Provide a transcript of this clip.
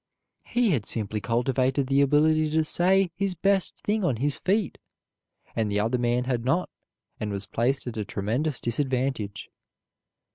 He had simply cultivated the ability to say his best thing on his feet, and the other man had not, and was placed at a tremendous disadvantage.